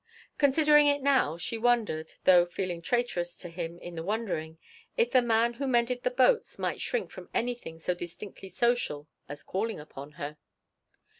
Considering it now, she wondered, though feeling traitorous to him in the wondering, if the man who mended the boats might shrink from anything so distinctly social as calling upon her.